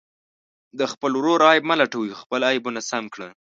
د خپل ورور عیب مه لټوئ، خپل عیبونه سم کړه.